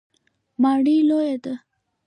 ماڼۍ لویه ده.